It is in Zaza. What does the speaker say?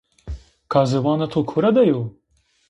Ka ziwanê to kura de yo!